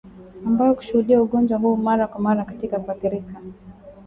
ambayo hushuhudia ugonjwa huu mara kwa mara kati ya huathirika